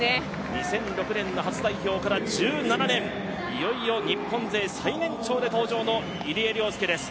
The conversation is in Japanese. ２００６年の初代表から１７年、いよいよ日本勢最年長で登場の入江陵介です。